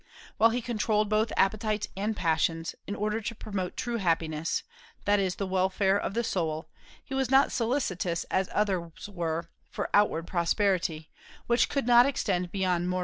While he controlled both appetites and passions, in order to promote true happiness, that is, the welfare of the soul, he was not solicitous, as others were, for outward prosperity, which could not extend beyond mortal life.